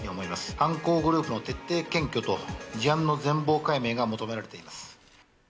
犯行グループの徹底検挙と事案の全貌解明が求められています。